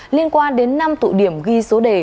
liên quan đến năm tụ điểm ghi số đề